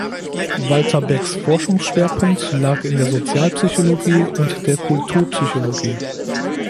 Walter Becks Forschungsschwerpunkt lag in der Sozialpsychologie und der Kulturpsychologie.